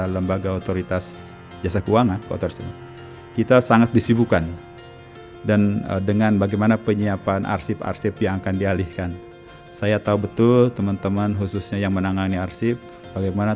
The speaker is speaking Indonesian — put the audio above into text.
henard kenar bank indonesia